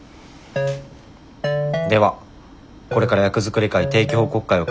ではこれから役作り会定期報告会を開催したいと思います。